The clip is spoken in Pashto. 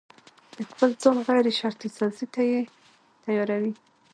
د خپل ځان غيرشرطي سازي ته يې تياروي.